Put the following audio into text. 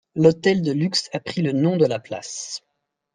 L'hôtel de luxe a pris le nom de la place.